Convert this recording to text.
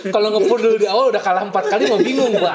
kalo ngepur dulu di awal udah kalah empat kali mau bingung mbak